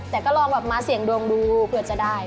แต่ก็ลองแบบมาเสี่ยงดวงดูเผื่อจะได้